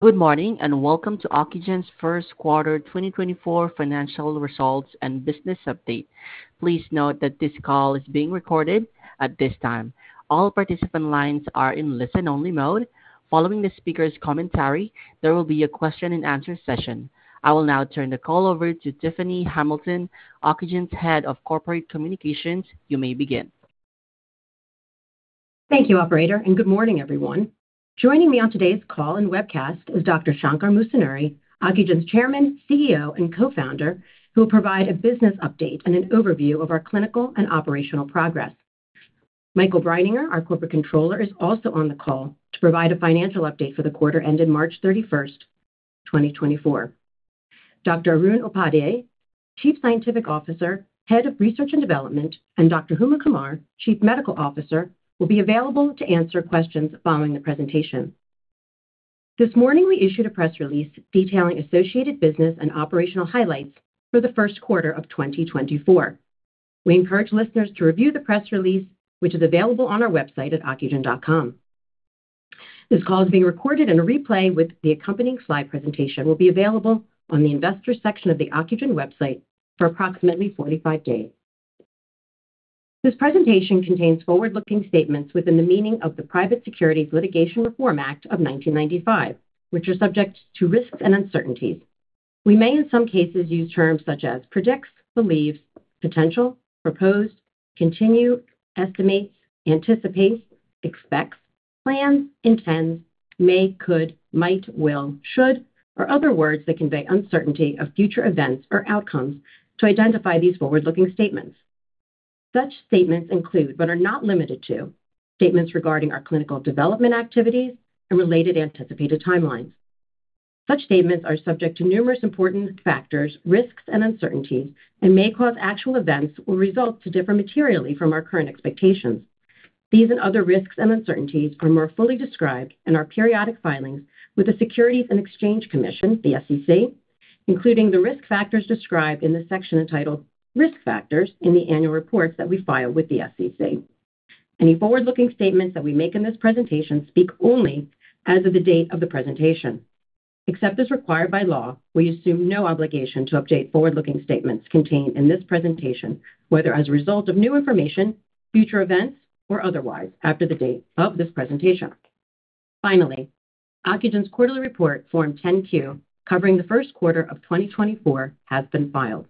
Good morning and welcome to Ocugen's first quarter 2024 financial results and business update. Please note that this call is being recorded at this time. All participant lines are in listen-only mode. Following the speaker's commentary, there will be a question-and-answer session. I will now turn the call over to Tiffany Hamilton, Ocugen's Head of Corporate Communications. You may begin. Thank you, operator, and good morning, everyone. Joining me on today's call and webcast is Dr. Shankar Musunuri, Ocugen's Chairman, CEO, and Co-founder, who will provide a business update and an overview of our clinical and operational progress. Michael Breininger, our Corporate Controller, is also on the call to provide a financial update for the quarter ended March 31st, 2024. Dr. Arun Upadhyay, Chief Scientific Officer, Head of Research and Development, and Dr. Huma Qamar, Chief Medical Officer, will be available to answer questions following the presentation. This morning we issued a press release detailing associated business and operational highlights for the first quarter of 2024. We encourage listeners to review the press release, which is available on our website at ocugen.com. This call is being recorded, and a replay with the accompanying slide presentation will be available on the investors section of the Ocugen website for approximately 45 days. This presentation contains forward-looking statements within the meaning of the Private Securities Litigation Reform Act of 1995, which are subject to risks and uncertainties. We may in some cases use terms such as predicts, believes, potential, proposed, continue, estimates, anticipates, expects, plans, intends, may, could, might, will, should, or other words that convey uncertainty of future events or outcomes to identify these forward-looking statements. Such statements include but are not limited to statements regarding our clinical development activities and related anticipated timelines. Such statements are subject to numerous important factors, risks, and uncertainties, and may cause actual events or results to differ materially from our current expectations. These and other risks and uncertainties are more fully described in our periodic filings with the Securities and Exchange Commission, the SEC, including the risk factors described in the section entitled "Risk Factors" in the annual reports that we file with the SEC. Any forward-looking statements that we make in this presentation speak only as of the date of the presentation. Except as required by law, we assume no obligation to update forward-looking statements contained in this presentation, whether as a result of new information, future events, or otherwise after the date of this presentation. Finally, Ocugen's quarterly report Form 10-Q covering the first quarter of 2024 has been filed.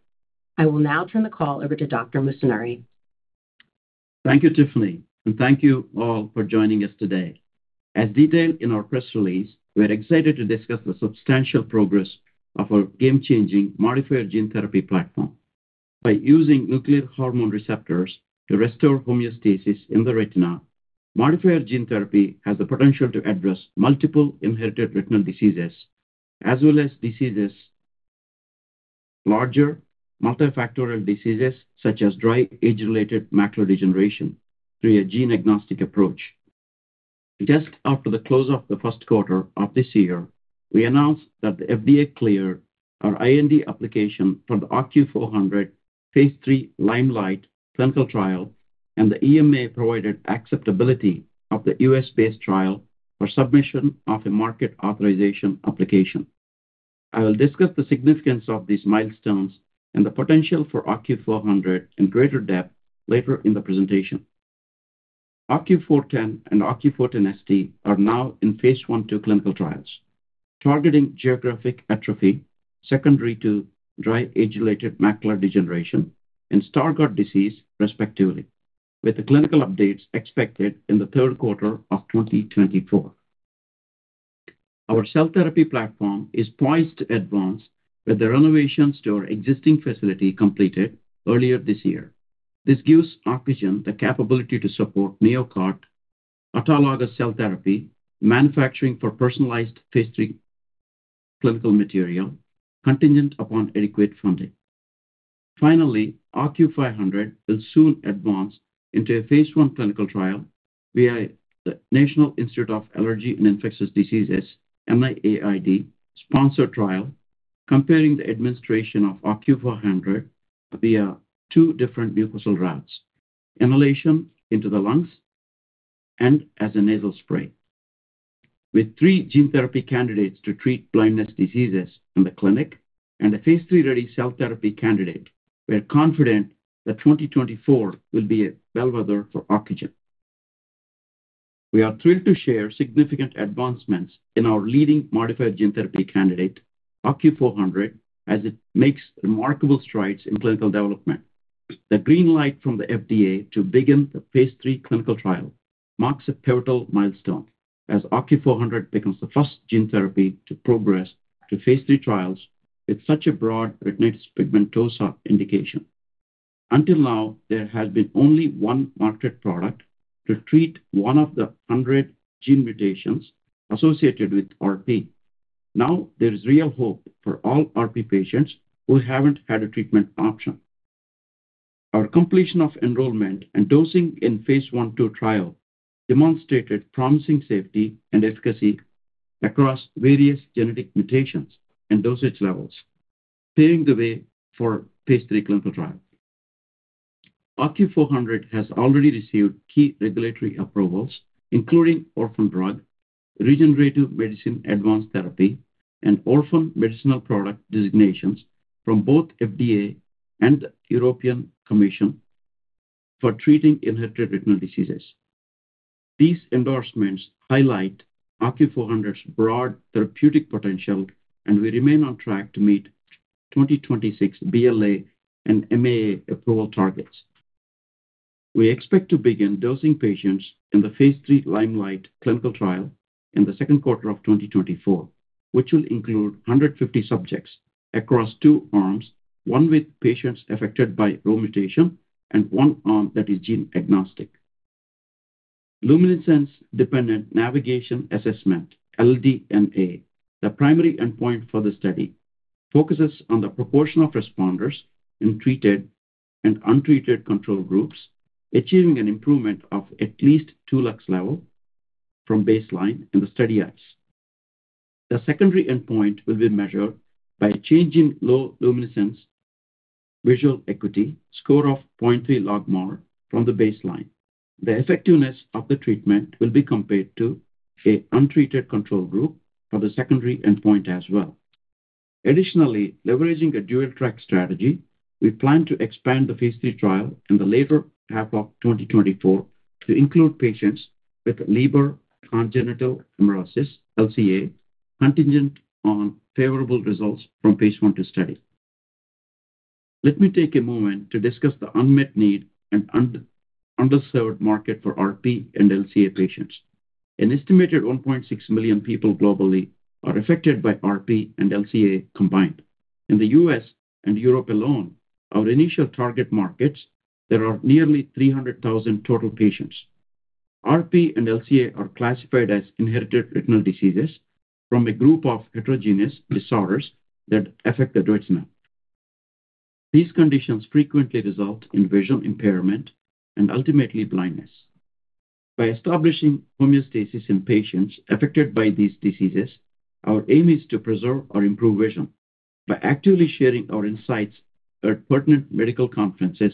I will now turn the call over to Dr. Musunuri. Thank you, Tiffany, and thank you all for joining us today. As detailed in our press release, we are excited to discuss the substantial progress of our game-changing modifier gene therapy platform. By using nuclear hormone receptors to restore homeostasis in the retina, modifier gene therapy has the potential to address multiple inherited retinal diseases as well as larger multifactorial diseases such as dry age-related macular degeneration through a gene-agnostic approach. Just after the close of the first quarter of this year, we announced that the FDA cleared our IND application for the OCU400 phase III liMeliGhT clinical trial, and the EMA provided acceptability of the US-based trial for submission of a market authorization application. I will discuss the significance of these milestones and the potential for OCU400 in greater depth later in the presentation. OCU410 and OCU410-ST are now in phase I/II clinical trials, targeting geographic atrophy secondary to dry age-related macular degeneration and Stargardt disease, respectively, with the clinical updates expected in the third quarter of 2024. Our cell therapy platform is poised to advance with the renovations to our existing facility completed earlier this year. This gives Ocugen the capability to support NeoCart, autologous cell therapy, manufacturing for personalized phase III clinical material contingent upon adequate funding. Finally, OCU500 will soon advance into a phase I clinical trial via the National Institute of Allergy and Infectious Diseases, NIAID-sponsored trial, comparing the administration of OCU500 via two different mucosal routes: inhalation into the lungs and as a nasal spray. With three gene therapy candidates to treat blindness diseases in the clinic and a phase III ready cell therapy candidate, we are confident that 2024 will be a bellwether for Ocugen. We are thrilled to share significant advancements in our leading modifier gene therapy candidate, OCU400, as it makes remarkable strides in clinical development. The green light from the FDA to begin the phase III clinical trial marks a pivotal milestone as OCU400 becomes the first gene therapy to progress to phase III trials with such a broad Retinitis Pigmentosa indication. Until now, there has been only one marketed product to treat one of the 100 gene mutations associated with RP. Now there is real hope for all RP patients who haven't had a treatment option. Our completion of enrollment and dosing in phase I/II trial demonstrated promising safety and efficacy across various genetic mutations and dosage levels, paving the way for phase III clinical trials. OCU400 has already received key regulatory approvals, including orphan drug, regenerative medicine advanced therapy, and orphan medicinal product designations from both FDA and the European Commission for treating inherited retinal diseases. These endorsements highlight OCU400's broad therapeutic potential, and we remain on track to meet 2026 BLA and MAA approval targets. We expect to begin dosing patients in the phase III liMeliGhT clinical trial in the second quarter of 2024, which will include 150 subjects across two arms, one with patients affected by RHO mutation and one arm that is gene-agnostic. Luminance-dependent navigation assessment, LDNA, the primary endpoint for the study, focuses on the proportion of responders in treated and untreated control groups achieving an improvement of at least 2 lux levels from baseline in the study eyes. The secondary endpoint will be measured by a change in low luminance visual acuity score of 0.3 LogMAR from the baseline. The effectiveness of the treatment will be compared to an untreated control group for the secondary endpoint as well. Additionally, leveraging a dual-track strategy, we plan to expand the phase III trial in the later half of 2024 to include patients with Leber congenital amaurosis, LCA, contingent on favorable results from phase I/II study. Let me take a moment to discuss the unmet need and underserved market for RP and LCA patients. An estimated 1.6 million people globally are affected by RP and LCA combined. In the U.S. and Europe alone, our initial target markets, there are nearly 300,000 total patients. RP and LCA are classified as inherited retinal diseases from a group of heterogeneous disorders that affect the retina. These conditions frequently result in vision impairment and ultimately blindness. By establishing homeostasis in patients affected by these diseases, our aim is to preserve or improve vision. By actively sharing our insights at pertinent medical conferences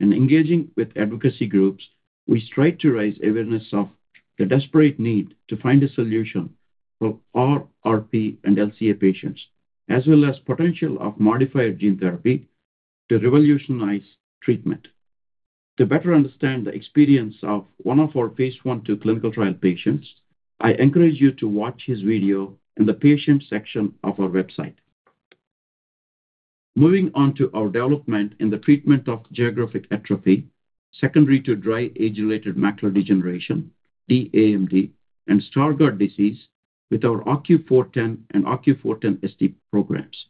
and engaging with advocacy groups, we strive to raise awareness of the desperate need to find a solution for all RP and LCA patients, as well as the potential of modifier gene therapy to revolutionize treatment. To better understand the experience of one of our phase I/II clinical trial patients, I encourage you to watch his video in the patient section of our website. Moving on to our development in the treatment of geographic atrophy secondary to dry age-related macular degeneration, dAMD, and Stargardt disease with our OCU410 and OCU410-ST programs.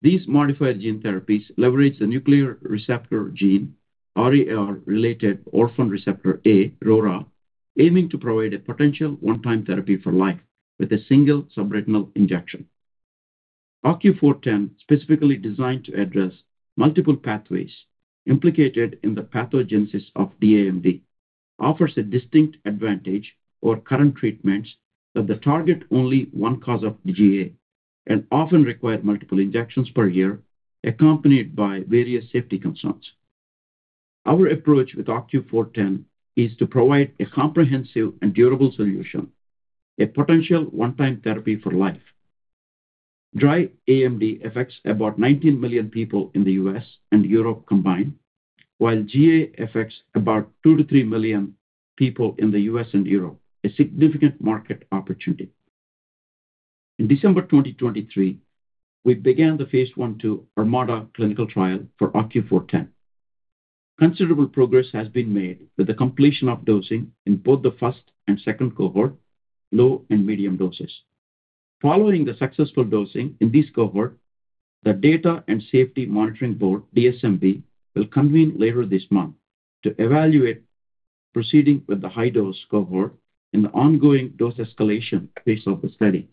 These modifier gene therapies leverage the nuclear receptor gene, RAR-related orphan receptor A, RORA, aiming to provide a potential one-time therapy for life with a single subretinal injection. OCU410, specifically designed to address multiple pathways implicated in the pathogenesis of dAMD, offers a distinct advantage over current treatments that target only one cause of GA and often require multiple injections per year, accompanied by various safety concerns. Our approach with OCU410 is to provide a comprehensive and durable solution, a potential one-time therapy for life. Dry AMD affects about 19 million people in the US and Europe combined, while GA affects about 2-3 million people in the US and Europe, a significant market opportunity. In December 2023, we began the Phase I/II ArMaDa clinical trial for OCU410. Considerable progress has been made with the completion of dosing in both the first and second cohort, low and medium doses. Following the successful dosing in these cohorts, the Data and Safety Monitoring Board, DSMB, will convene later this month to evaluate proceeding with the high-dose cohort in the ongoing dose escalation phase of the study.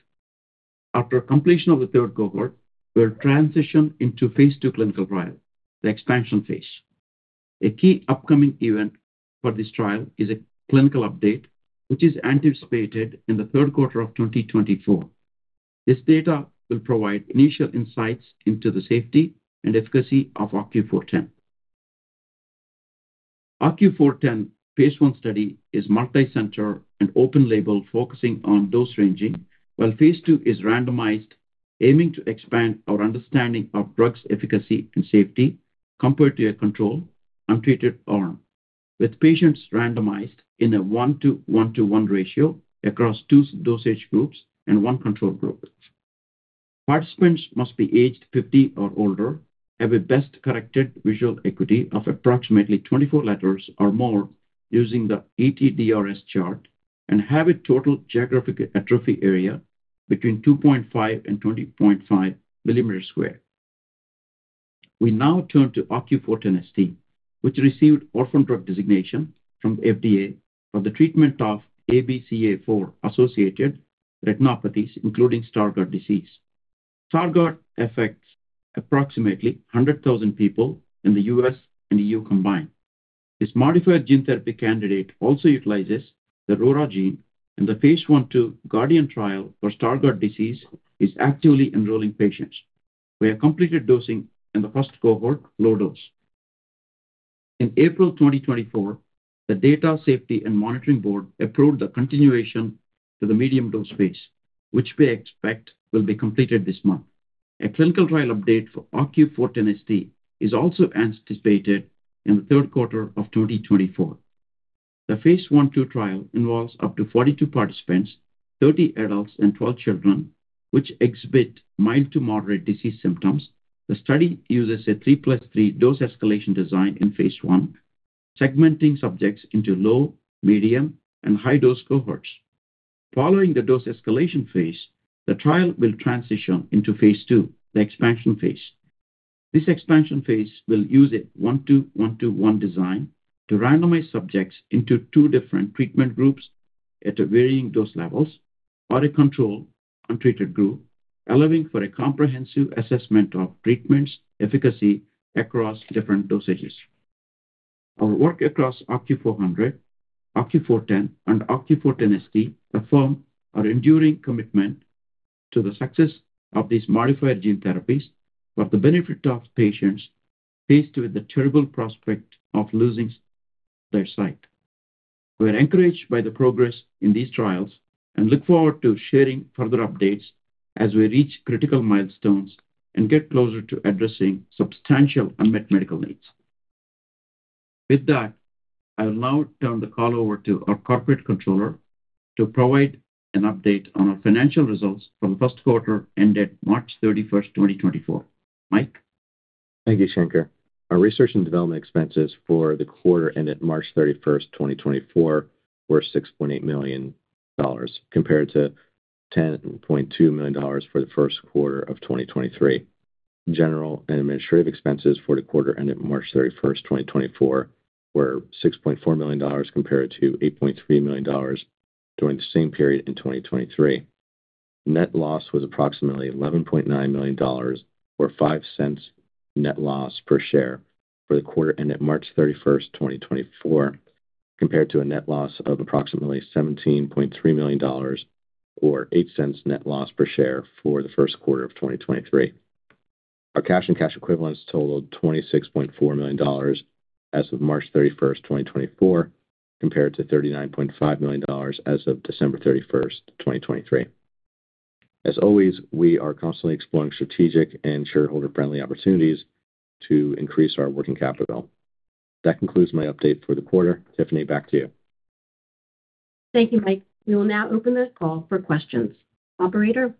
After completion of the third cohort, we will transition into phase II clinical trial, the expansion phase. A key upcoming event for this trial is a clinical update, which is anticipated in the third quarter of 2024. This data will provide initial insights into the safety and efficacy of OCU410. OCU410 phase I study is multi-center and open-label, focusing on dose ranging, while phase II is randomized, aiming to expand our understanding of drugs' efficacy and safety compared to a controlled, untreated arm, with patients randomized in a 1:1:1 ratio across two dosage groups and one control group. Participants must be aged 50 or older, have a best-corrected visual acuity of approximately 24 letters or more using the ETDRS chart, and have a total geographic atrophy area between 2.5-20.5 millimeters squared. We now turn to OCU410-ST, which received orphan drug designation from the FDA for the treatment of ABCA4-associated retinopathies, including Stargardt disease. Stargardt affects approximately 100,000 people in the US and EU combined. This modifier gene therapy candidate also utilizes the RORA gene, and the Phase I/II GARDian trial for Stargardt disease is actively enrolling patients. We have completed dosing in the first cohort, low dose. In April 2024, the Data and Safety Monitoring Board approved the continuation to the medium dose phase, which we expect will be completed this month. A clinical trial update for OCU410-ST is also anticipated in the third quarter of 2024. The phase I/II trial involves up to 42 participants, 30 adults, and 12 children, which exhibit mild to moderate disease symptoms. The study uses a 3+3 dose escalation design in phase I, segmenting subjects into low, medium, and high-dose cohorts. Following the dose escalation phase, the trial will transition into phase II, the expansion phase. This expansion phase will use a 1:1:1 design to randomize subjects into two different treatment groups at varying dose levels or a controlled, untreated group, allowing for a comprehensive assessment of treatments' efficacy across different dosages. Our work across OCU400, OCU410, and OCU410-ST affirms our enduring commitment to the success of these modified gene therapies for the benefit of patients faced with the terrible prospect of losing their sight. We are encouraged by the progress in these trials and look forward to sharing further updates as we reach critical milestones and get closer to addressing substantial unmet medical needs. With that, I will now turn the call over to our Corporate Controller to provide an update on our financial results for the first quarter ended March 31st, 2024. Mike? Thank you, Shankar. Our research and development expenses for the quarter ended March 31st, 2024, were $6.8 million compared to $10.2 million for the first quarter of 2023. General and administrative expenses for the quarter ended March 31st, 2024, were $6.4 million compared to $8.3 million during the same period in 2023. Net loss was approximately $11.9 million or $0.05 net loss per share for the quarter ended March 31st, 2024, compared to a net loss of approximately $17.3 million or $0.08 net loss per share for the first quarter of 2023. Our cash and cash equivalents totaled $26.4 million as of March 31st, 2024, compared to $39.5 million as of December 31st, 2023. As always, we are constantly exploring strategic and shareholder-friendly opportunities to increase our working capital. That concludes my update for the quarter. Tiffany, back to you. Thank you, Mike. We will now open the call for questions. Operator?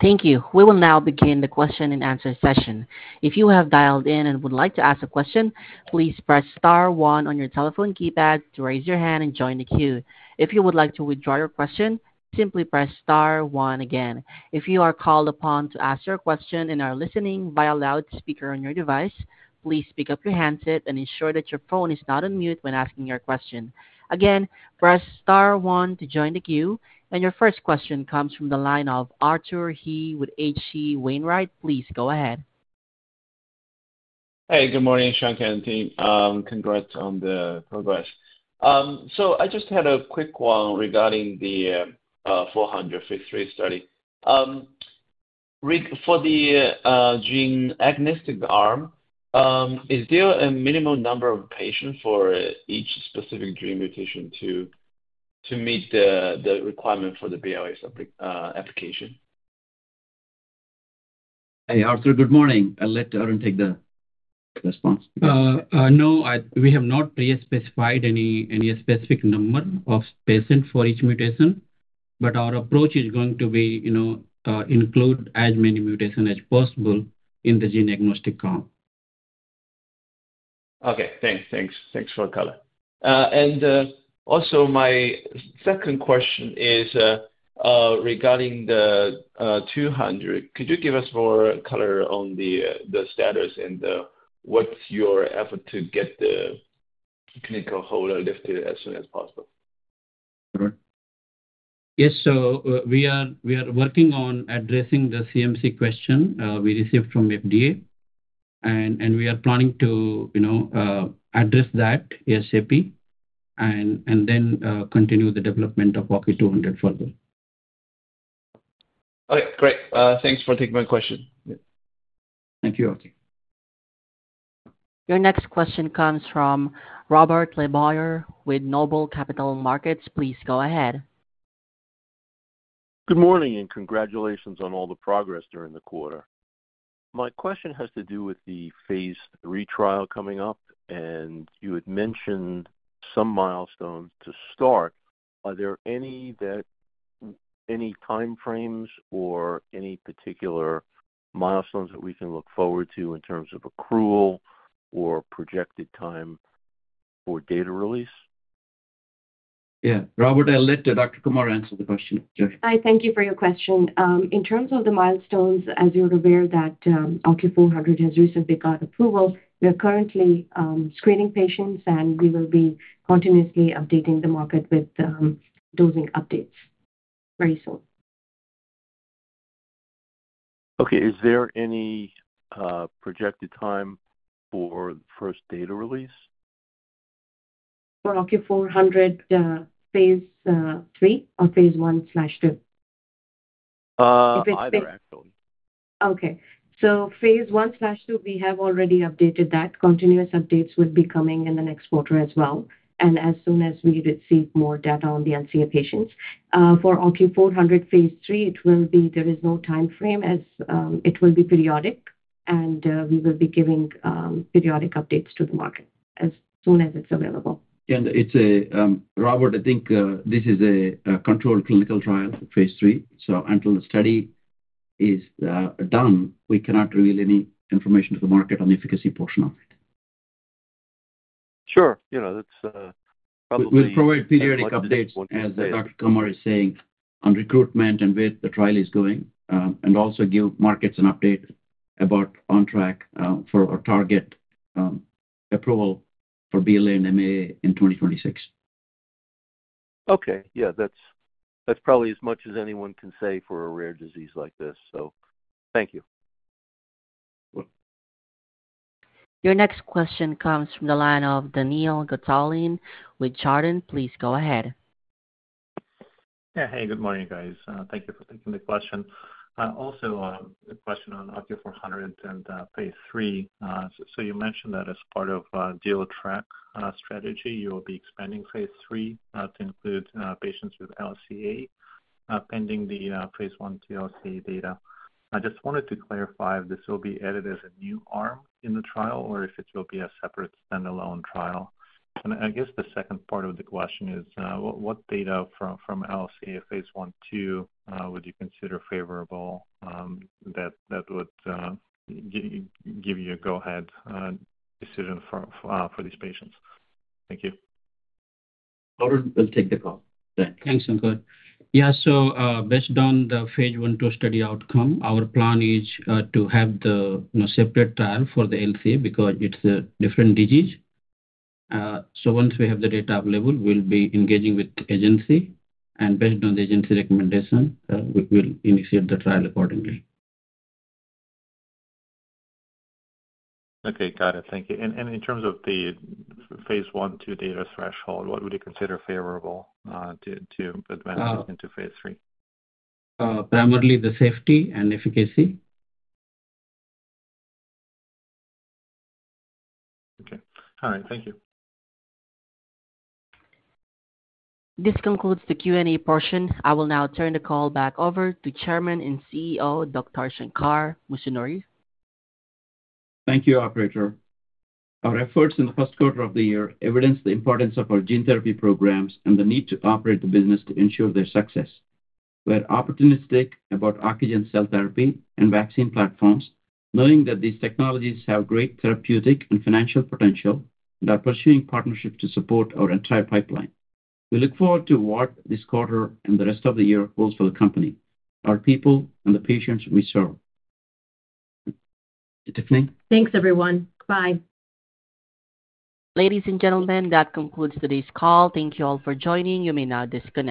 Thank you. We will now begin the question-and-answer session. If you have dialed in and would like to ask a question, please press star 1 on your telephone keypad to raise your hand and join the queue. If you would like to withdraw your question, simply press star 1 again. If you are called upon to ask your question in our listening via loudspeaker on your device, please pick up your handset and ensure that your phone is not on mute when asking your question. Again, press star 1 to join the queue, and your first question comes from the line of Arthur He with H.C. Wainwright. Please go ahead. Hey, good morning, Shankar and team. Congrats on the progress. So I just had a quick one regarding the 400 phase III study. For the gene-agnostic arm, is there a minimum number of patients for each specific gene mutation to meet the requirement for the BLA application? Hey, Arthur, good morning. I'll let Arun take the response. No, we have not pre-specified any specific number of patients for each mutation, but our approach is going to be to include as many mutations as possible in the gene-agnostic arm. Okay, thanks. Thanks for the color. And also, my second question is regarding the 200. Could you give us more color on the status and what's your effort to get the clinical hold lifted as soon as possible? Yes, so we are working on addressing the CMC question we received from FDA, and we are planning to address that, ASAP, and then continue the development of OCU200 further. Okay, great. Thanks for taking my question. Thank you, Arthur. Your next question comes from Robert LeBoyer with Noble Capital Markets. Please go ahead. Good morning and congratulations on all the progress during the quarter. My question has to do with the phase III trial coming up, and you had mentioned some milestones to start. Are there any timeframes or any particular milestones that we can look forward to in terms of accrual or projected time for data release? Yeah. Robert, I'll let Dr. Qamar answer the question. Hi, thank you for your question. In terms of the milestones, as you're aware, that OCU400 has recently got approval. We are currently screening patients, and we will be continuously updating the market with dosing updates very soon. Okay, is there any projected time for the first data release? For OCU400, phase III or phase I/II? Either, actually. Okay. So phase I/II, we have already updated that. Continuous updates will be coming in the next quarter as well, and as soon as we receive more data on the LCA patients. For OCU400 phase III, there is no timeframe, as it will be periodic, and we will be giving periodic updates to the market as soon as it's available. And Robert, I think this is a controlled clinical trial, phase III. So until the study is done, we cannot reveal any information to the market on the efficacy portion of it. Sure. That's probably. We'll provide periodic updates, as Dr. Qamar is saying, on recruitment and where the trial is going, and also give markets an update about on track for our target approval for BLA and MAA in 2026. Okay. Yeah, that's probably as much as anyone can say for a rare disease like this, so thank you. Your next question comes from the line of Daniil Gataulin with Chardan. Please go ahead. Yeah, hey, good morning, guys. Thank you for taking the question. Also, a question on OCU400 and phase III. So you mentioned that as part of liMeliGhT strategy, you will be expanding phase III to include patients with LCA pending the phase I/II to LCA data. I just wanted to clarify, this will be added as a new arm in the trial or if it will be a separate standalone trial? And I guess the second part of the question is, what data from LCA phase I/II would you consider favorable that would give you a go-ahead decision for these patients? Thank you. Arun, we'll take the call. Thanks. Thanks, Shankar. Yeah, so based on the phase I/II study outcome, our plan is to have the separate trial for the LCA because it's a different disease. Once we have the data available, we'll be engaging with the agency, and based on the agency recommendation, we will initiate the trial accordingly. Okay, got it. Thank you. In terms of the phase I/II data threshold, what would you consider favorable to advance into phase III? Primarily the safety and efficacy. Okay. All right. Thank you. This concludes the Q&A portion. I will now turn the call back over to Chairman and CEO Dr. Shankar Musunuri. Thank you, Operator. Our efforts in the first quarter of the year evidence the importance of our gene therapy programs and the need to operate the business to ensure their success. We are opportunistic about Ocugen cell therapy and vaccine platforms, knowing that these technologies have great therapeutic and financial potential, and are pursuing partnerships to support our entire pipeline. We look forward to what this quarter and the rest of the year holds for the company, our people, and the patients we serve. Tiffany? Thanks, everyone. Bye. Ladies and gentlemen, that concludes today's call. Thank you all for joining. You may now disconnect.